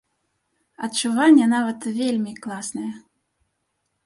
Адчуванне нават вельмі класнае.